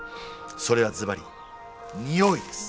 それはずばり匂いです！